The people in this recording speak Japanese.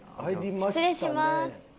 失礼します。